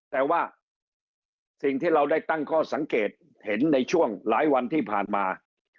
แต่ว่าสิ่งที่เราได้ตั้งข้อสังเกตเห็นในช่วงหลายวันที่ผ่านมา